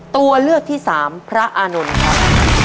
ตัวเลือกที่สามพระอานนท์ครับ